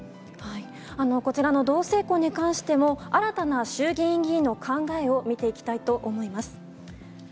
こちらの同性婚に関しても、新たな衆議院議員の考えを見ていきたいと思います。